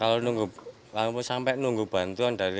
kalau nunggu lampu sampai nunggu bantuan dari